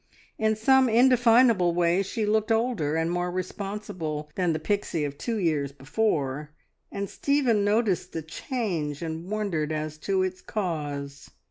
In some indefinable way she looked older and more responsible than the Pixie of two years before, and Stephen noticed the change and wondered as to its cause.